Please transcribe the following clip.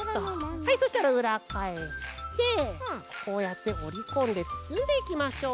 はいそしたらうらがえしてこうやっておりこんでつつんでいきましょう。